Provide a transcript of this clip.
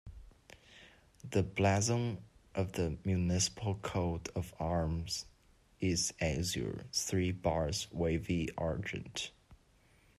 The blazon of the municipal coat of arms is Azure, three Bars wavy Argent.